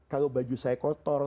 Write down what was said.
kalau baju saya kotor